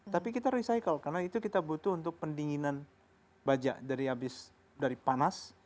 tapi kita recycle karena itu kita butuh untuk pendinginan baja dari habis dari panas